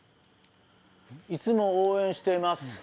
「いつも応援しています」。